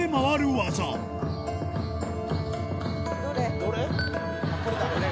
どれ？